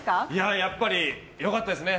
やっぱり良かったですね。